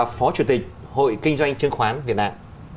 là phó chủ tịch hội kinh doanh chứng khoán việt nam